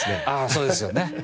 そうですよね。